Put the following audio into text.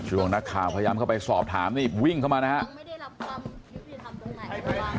ช่วงนักข่าวพยายามเข้าไปสอบถามนี่วิ่งเข้ามานะฮะ